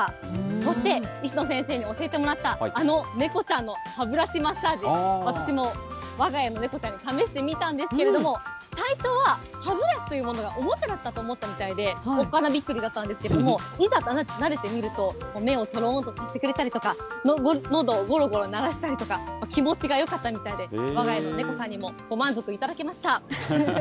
そして、石野先生に教えてもらった、あの猫ちゃんの歯ブラシマッサージ、私もわが家の猫ちゃんに試してみたんですけれども、最初は、歯ブラシというものがおもちゃだったと思ったみたいで、おっかなびっくりだったんですけれども、いざ、なでてみると、目をとろーんとしてくれたりとか、のどをごろごろ鳴らしたりとか、気持ちがよかったみたいで、わが家の猫さんにもご満足いただけました。